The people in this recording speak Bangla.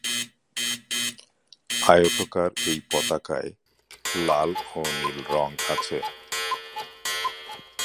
আয়তাকার এই পতাকায় লা ও নীল রঙ আছে।